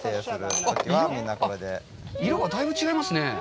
色がだいぶ違いますね。